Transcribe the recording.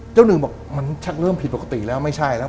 หนึ่งบอกมันชักเริ่มผิดปกติแล้วไม่ใช่แล้ว